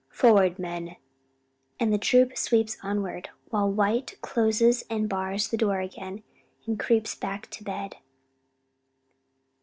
Forward, men!" and the troop sweeps onward, while White closes and bars the door again, and creeps back to bed.